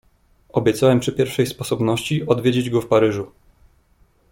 "Obiecałem przy pierwszej sposobności odwiedzić go w Paryżu."